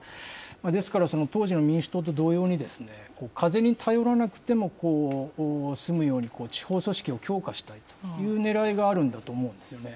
ですから、当時の民主党と同様にですね、風に頼らなくても済むように、地方組織を強化したいというねらいがあるんだと思うんですよね。